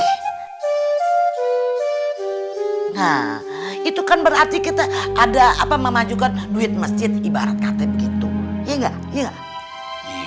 nah itu kan berarti kita ada apa memajukan duit mesjid ibarat kate begitu iya enggak iya